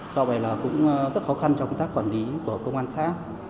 do vậy là cũng rất khó khăn trong công tác quản lý của công an xã